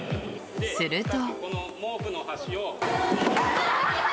すると。